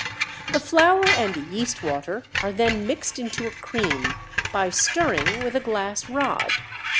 The flour and yeast water are then mixed into a cream by stirring with a glass rod.